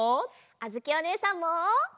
あづきおねえさんも！